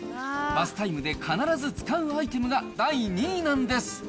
バスタイムで必ず使うアイテムが第２位なんです。